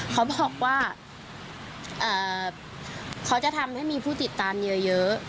เขาบอกว่าเขาจะทำให้มีผู้ติดตามเยอะ